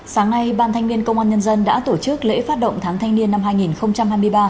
sáng nay ban thanh niên công an nhân dân đã tổ chức lễ phát động tháng thanh niên năm hai nghìn hai mươi ba